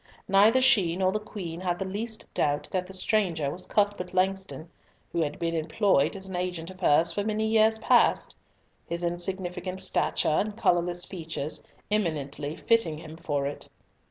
Neither she nor the Queen had the least doubt that the stranger was Cuthbert Langston, who had been employed as an agent of hers for many years past; his insignificant stature and colourless features eminently fitting him for it.